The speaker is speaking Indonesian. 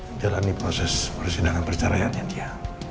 menjalani proses persidangan perceraiannya dia